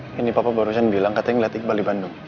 ini papa barusan bilang katanya ngeliat iqbal di bandung